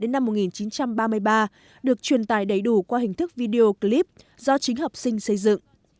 năm một nghìn chín trăm ba mươi ba được truyền tài đầy đủ qua hình thức video clip do chính học sinh xây dựng